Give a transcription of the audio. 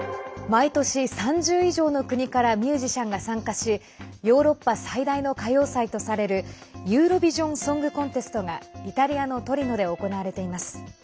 毎年、３０以上の国からミュージシャンが参加しヨーロッパ最大の歌謡祭とされるユーロビジョン・ソングコンテストがイタリアのトリノで行われています。